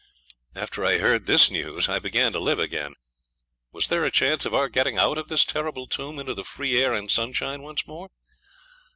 After I heard this news I began to live again. Was there a chance of our getting out of this terrible tomb into the free air and sunshine once more?